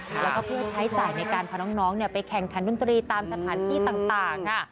แล้วก็ผู้ใช้จ่ายในการพาน้องไปแข่งทางดุงตรีตามสถานที่ต่าง